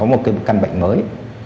đang có một cái căn bệnh mới